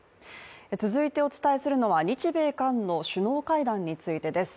続いてお伝えするのは日米韓の首脳会談についてです。